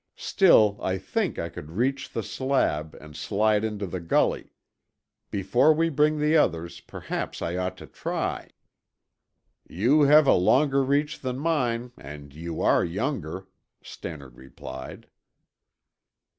"Still I think I could reach the slab and slide into the gully. Before we bring the others, perhaps I ought to try." "You have a longer reach than mine and you are younger," Stannard replied.